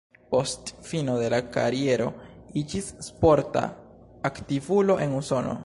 Post fino de la kariero iĝis sporta aktivulo en Usono.